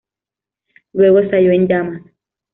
Luego estalló en llamas.